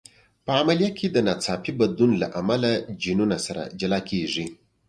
په عملیه کې د ناڅاپي بدلون له امله جینونه سره جلا کېږي.